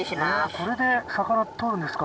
これで魚捕るんですか。